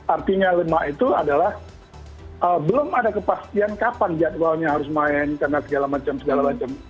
artinya lemak itu adalah belum ada kepastian kapan jadwalnya harus main karena segala macam segala macam